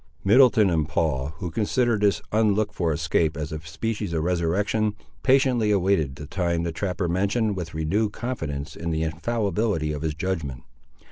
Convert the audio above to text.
Middleton and Paul, who considered this unlooked for escape as a species of resurrection, patiently awaited the time the trapper mentioned with renewed confidence in the infallibility of his judgment.